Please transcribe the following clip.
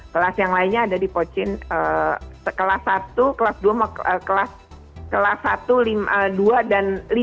kelas yang lainnya ada di pocin kelas satu kelas dua kelas satu dua dan lima